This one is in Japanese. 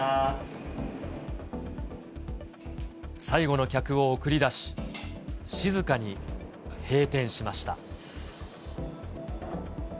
最後の客を送り出し、静かに閉店しました。